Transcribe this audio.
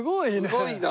すごいな。